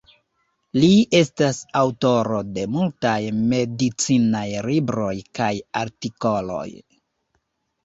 Li estas aŭtoro de multaj medicinaj libroj kaj artikoloj.